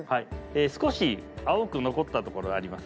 少し青く残ったところありますよね。